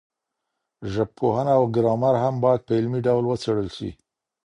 ژبپوهنه او ګرامر هم باید په علمي ډول وڅېړل سي.